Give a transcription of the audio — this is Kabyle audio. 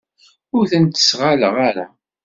Ur sen-ttesɣaleɣ ara.